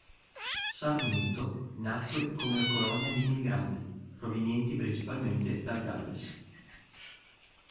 Sarmiento nacque come colonia di immigranti, provenienti principalmente dal Galles.